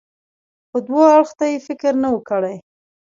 خو دو اړخ ته يې فکر نه و کړى.